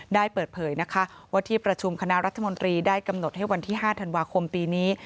ได้เปิดเผยนะคะว่าที่ประชุมคณะรัฐมนตรีได้กำหนดให้วันที่๕ธันวาคมปีนี้